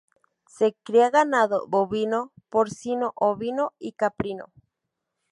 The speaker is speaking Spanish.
Se cría ganado bovino, porcino, ovino y caprino.